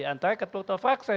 antara ketua atau fraksi